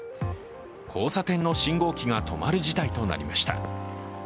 交差点の信号機が止まる事態となりました。